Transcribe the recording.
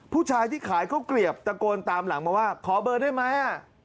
ผู้ชายที่ขายข้าวเกลียบตะโกนตามหลังมาว่าขอเบอร์ได้ไหม